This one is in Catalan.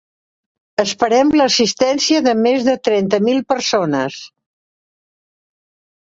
Esperem l'assistència de més de trenta mil persones.